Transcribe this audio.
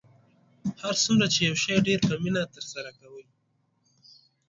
هر څومره چې یو شی ډیر په مینه ترسره کوئ